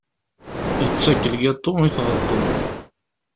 Yettak lgaṭu i tɣeṭṭen.